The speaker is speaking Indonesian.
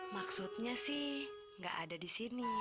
maksudnya sih nggak ada di sini